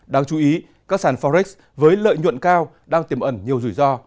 đáng chú ý các sản forex với lợi nhuận cao đang tiềm ẩn nhiều rủi ro